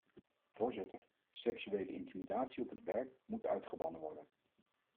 Voorzitter, seksuele intimidatie op het werk moet uitgebannen worden.